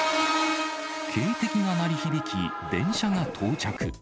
警笛が鳴り響き、電車が到着。